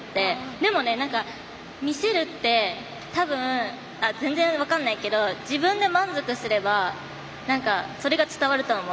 でもね、なんか見せるってたぶん、全然分かんないけど自分で満足すればそれが伝わると思う。